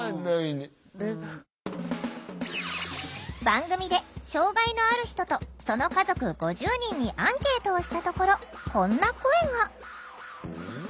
番組で障害のある人とその家族５０人にアンケートをしたところこんな声が。